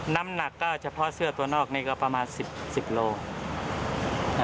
น้ำหนักก็เฉพาะเสื้อตัวนอกนี่ก็ประมาณ๑๐โล